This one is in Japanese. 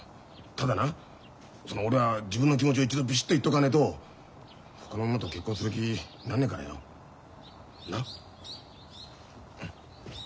ただなその俺は自分の気持ちを一度ビシッと言っとかねえとほかの女と結婚する気なんねえからよ。なっ？